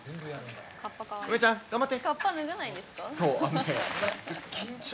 梅ちゃん、頑張って。